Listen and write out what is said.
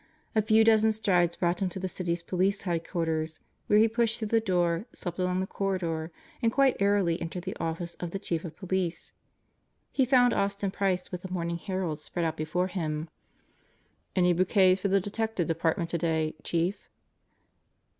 A few dozen strides brought him to the City's Police Headquarters, where he pushed through the door, swept along the corridor, and quite airily entered the office of the Chief of Police. He found Austin Price with the morning Herald spread out before him. "Any bouquets for the Detective Department today, Chief?"